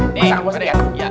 ini masakan mpok siti ya